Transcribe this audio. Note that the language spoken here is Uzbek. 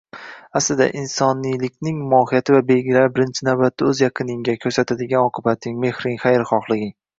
Aslida, insonlikning mohiyati va belgilari, birinchi navbatda, oʻz yaqiningga koʻrsatadigan oqibating, mehring, xayrixohliging.